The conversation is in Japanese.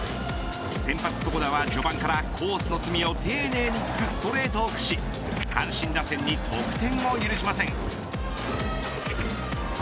先発、床田は序盤からコースの隅を丁寧に突くストレート駆使し阪神打線に得点を許しません。